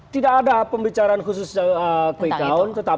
tidak ada pembicaraan khusus quick count